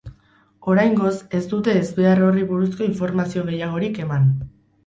Oraingoz, ez dute ezbehar horri buruzko informazio gehiagorik eman.